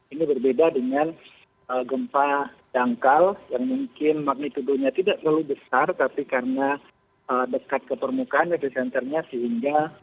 ini berbeda dengan gempa dangkal yang mungkin magnitudonya tidak terlalu besar tapi karena dekat ke permukaan epicenternya sehingga